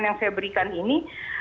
yang saya berikan ini